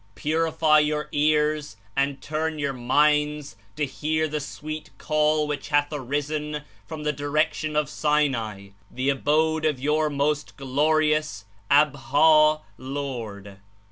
Purifv vour ears I lO and turn your minds to hear the sweet Call which hath arisen from the direction of Sinai, the abode of your Most Glorious (Abha) Lord.